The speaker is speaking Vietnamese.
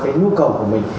cái nhu cầu của mình